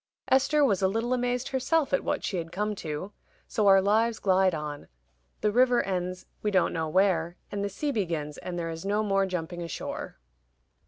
Esther was a little amazed herself at what she had come to. So our lives glide on: the river ends we don't know where, and the sea begins, and there is no more jumping ashore.